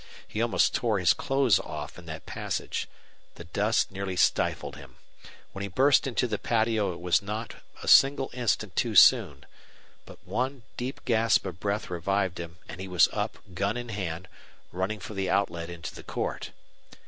He almost tore his clothes off in that passage. The dust nearly stifled him. When he burst into the patio it was not a single instant too soon. But one deep gasp of breath revived him and he was up, gun in hand, running for the outlet into the court.